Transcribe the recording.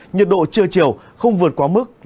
nhiệt độ trưa chiều không vượt quá mức là ba mươi bốn độ